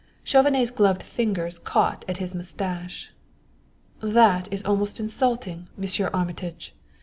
Chauvenet's gloved fingers caught at his mustache. "That is almost insulting, Monsieur Armitage.